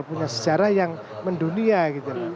punya sejarah yang mendunia gitu